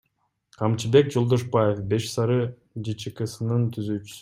Камчыбек Жолдошбаев — Беш Сары ЖЧКсынын түзүүчүсү.